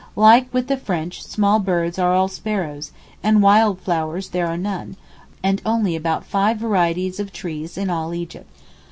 Like with the French small birds are all sparrows, and wild flowers there are none, and only about five varieties of trees in all Egypt.